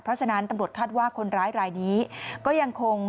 เพราะฉะนั้นตำรวจคาดว่าคนร้ายรายนี้ก็ยังคง